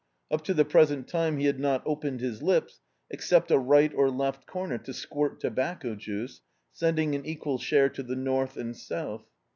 Up to the present time he had not opened his tips, except a right or left comer to squirt tobacco juice, send ing an equal share to the north and south.